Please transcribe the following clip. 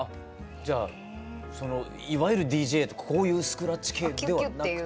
じゃあそのいわゆるＤＪこういうスクラッチ系ではなくて。